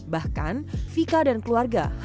bahkan vika dan keluarga hampir terbuka